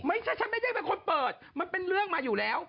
ไม่ใช่ฉันไม่ได้เป็นคนเปิดมันเป็นเรื่องมาอยู่แล้ว